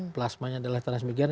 plasma adalah transmigran